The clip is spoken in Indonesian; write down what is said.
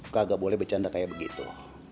kaga boleh bercanda kayak begitu